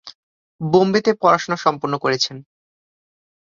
বোম্বেতে পড়াশোনা সম্পন্ন করেছেন।